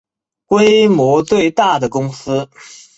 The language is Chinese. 规模最大的公司